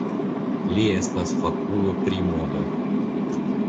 Li estas fakulo pri modo.